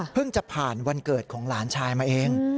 จะผ่านวันเกิดของหลานชายมาเอง